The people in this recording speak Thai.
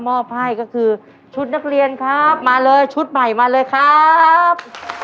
มอบให้ก็คือชุดนักเรียนครับมาเลยชุดใหม่มาเลยครับ